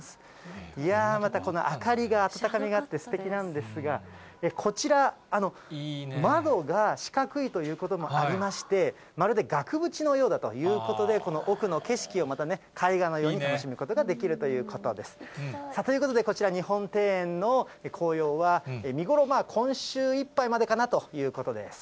いやー、またこの明かりが暖かみがあって、すてきなんですが、こちら、窓が四角いということもありまして、まるで額縁のようだということで、この奥の景色をまたね、絵画のように楽しむことができるということです。ということで、こちら、日本庭園の紅葉は、見頃、今週いっぱいまでかなということです。